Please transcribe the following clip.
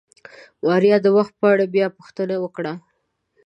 ماريا د وخت په اړه بيا پوښتنه وکړه.